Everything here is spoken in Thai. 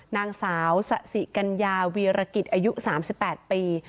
นางสาวสะสิกัญญาวีรกิจอายุ๓๘ปี